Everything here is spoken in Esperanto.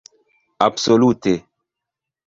"Absolute."